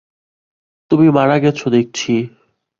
তুমি মারা গেছ দেখছি।